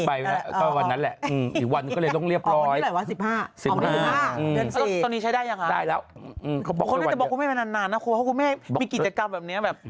ไปแล้วก็วันนั้นแหละอีกวันก็เลยต้องเรียบร้อยอีกวันที่ไหนวะ๑๕